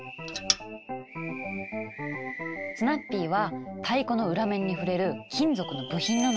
スナッピーは太鼓の裏面に触れる金属の部品なのよ。